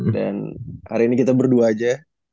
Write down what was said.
dan hari ini kita berdua aja